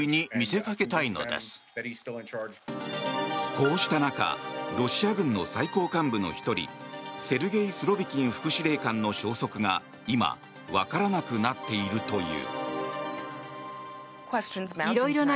こうした中ロシア軍の最高幹部の１人セルゲイ・スロビキン副司令官の消息が今わからなくなっているという。